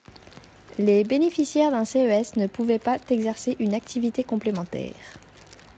Les bénéficiaires d’un CES ne pouvaient pas exercer une activité complémentaire.